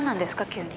急に。